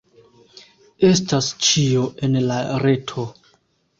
Estas ĉio en la reto.